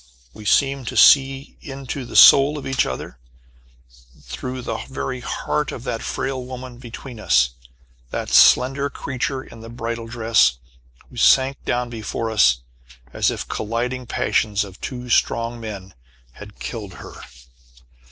We seemed to see into the soul of each other, through the very heart of that frail woman between us, that slender creature in the bridal dress, who sank down before us, as if the colliding passions of two strong men had killed her.